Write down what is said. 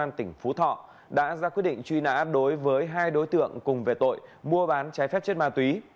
công an tỉnh phú thọ đã ra quyết định truy nã đối với hai đối tượng cùng về tội mua bán trái phép chất ma túy